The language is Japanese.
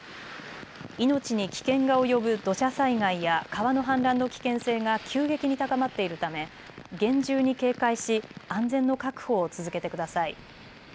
命に危険が及ぶ土砂災害や川の氾濫の危険性が急激に高まっているため厳重に警戒し安全の確保を続けてください。